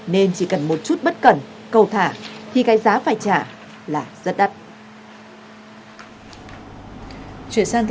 nên chỉ cần một chút bất cẩn cầu thả thì cái giá phải trả là rất đắt